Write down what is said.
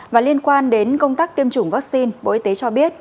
và liên quan đến công tác tiêm chủng vaccine bộ y tế cho biết